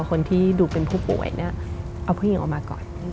คนที่ดูเป็นผู้ป่วยเนี่ยเอาผู้หญิงออกมาก่อน